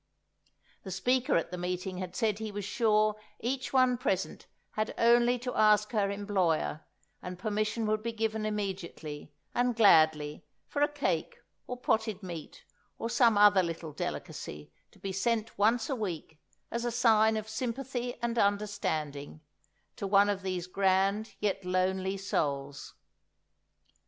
The speaker at the meeting had said he was sure each one present had only to ask her employer, and permission would be given immediately and gladly for a cake or potted meat or some other little delicacy to be sent once a week, as a sign of sympathy and understanding, to one of these grand yet lonely souls.